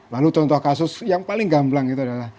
lalu contoh kasus yang paling gambar